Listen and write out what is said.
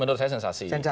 menurut saya sensasi